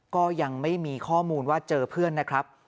ก็ยังไม่มีข้อมูลว่าเจอเพื่อนนะครับ